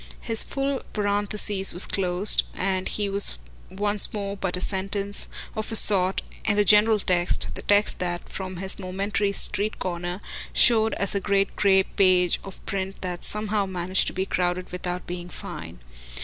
His full parenthesis was closed, and he was once more but a sentence, of a sort, in the general text, the text that, from his momentary street corner, showed as a great grey page of print that somehow managed to be crowded without being "fine."